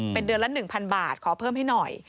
เป็นเดือนละ๑๐๐บาทขอเพิ่มให้หน่อย